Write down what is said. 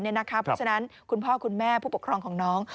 เพราะฉะนั้นคุณพ่อคุณแม่ผู้ปกครองของน้อง